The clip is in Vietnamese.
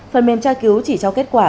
phần mềm tra cứu chỉ cho kết quả